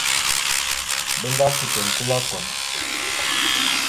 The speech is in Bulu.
Be nga kute nkul akon.